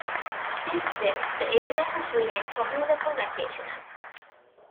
Since then, the area has remained popular for vacationers.